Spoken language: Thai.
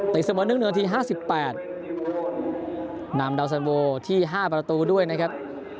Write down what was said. เสมอ๑๑นาที๕๘นำดาวสันโวที่๕ประตูด้วยนะครับ